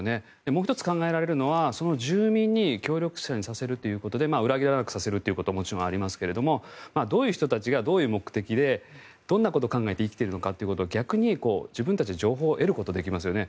もう１つ考えられるのはその住民に協力者にさせるということで裏切らなくさせるということももちろんありますがどういう人たちがどういう目的でどんなことを考えて生きているのかというのは逆に自分たちで情報を得ることができますよね。